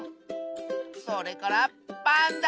それからパンダ！